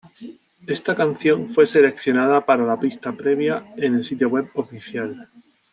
Esta canción fue seleccionada para la vista previa en el sitio web oficial.